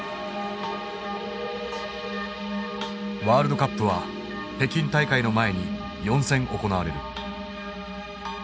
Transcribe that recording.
ワールドカップは北京大会の前に４戦行われる。